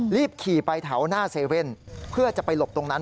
รีบขี่ไปแถวหน้าเว่นเพื่อจะไปหลบตรงนั้น